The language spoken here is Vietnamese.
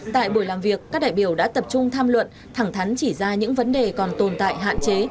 tại buổi làm việc các đại biểu đã tập trung tham luận thẳng thắn chỉ ra những vấn đề còn tồn tại hạn chế